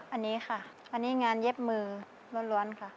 อันนี้ค่ะอันนี้งานเย็บมือล้วนค่ะ